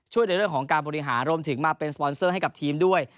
ในเรื่องของการบริหารรวมถึงมาเป็นสปอนเซอร์ให้กับทีมด้วย